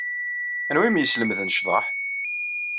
Anwa ay am-yeslemden ccḍeḥ?